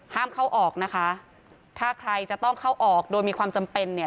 ห้ามเข้าออกนะคะถ้าใครจะต้องเข้าออกโดยมีความจำเป็นเนี่ย